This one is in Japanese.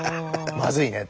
「まずいね」